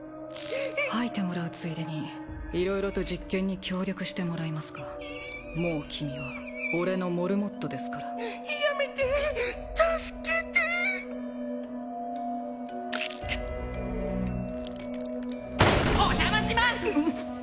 吐いてもらうついでに色々と実験に協力してもらいますかもう君は俺のモルモットですからやめて助けてお邪魔します！